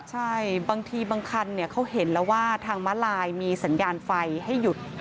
ใช่บางทีบางคันเขาเห็นแล้วว่าทางม้าลายมีสัญญาณไฟให้หยุด